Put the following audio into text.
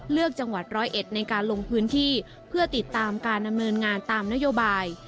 จังหวัดร้อยเอ็ดในการลงพื้นที่เพื่อติดตามการดำเนินงานตามนโยบาย